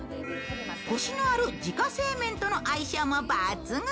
コシのある自家製麺との相性も抜群。